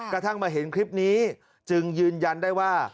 กระทั่งมาเห็นคลิปนี้จึงยืนยันได้ว่า